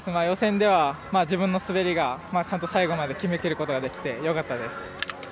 予選では自分の滑りがちゃんと最後まで決めきることができてよかったです。